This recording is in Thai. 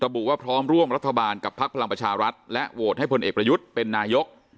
บุว่าพร้อมร่วมรัฐบาลกับพักพลังประชารัฐและโหวตให้พลเอกประยุทธ์เป็นนายก